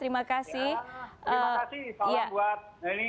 terima kasih pak welas